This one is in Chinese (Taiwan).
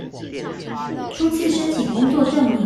初次申請工作證明